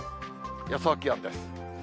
予想気温です。